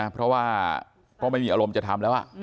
เพราะว่าก็ไม่มีอารมณ์จะทำแล้ว